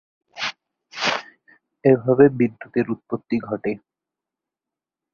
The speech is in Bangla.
এভাবেই বিদ্যুতের উৎপত্তি ঘটে।